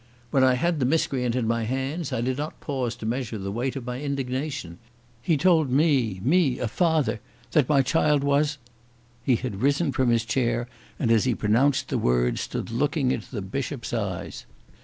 "When I had the miscreant in my hands I did not pause to measure the weight of my indignation. He told me, me a father, that my child was ." He had risen from his chair, and as he pronounced the word, stood looking into the Bishop's eyes.